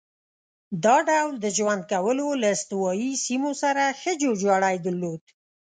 دا ډول د ژوند کولو له استوایي سیمو سره ښه جوړ جاړی درلود.